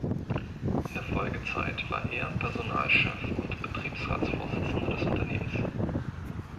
In der Folgezeit war er Personalchef und Betriebsratsvorsitzender des Unternehmens.